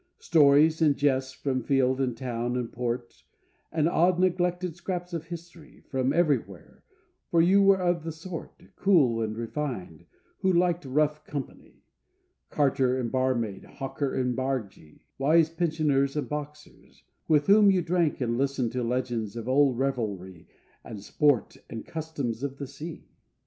Stories and jests from field and town and port, And odd neglected scraps of history From everywhere, for you were of the sort, Cool and refined, who like rough company: Carter and barmaid, hawker and bargee, Wise pensioners and boxers With whom you drank, and listened To legends of old revelry and sport And customs of the sea.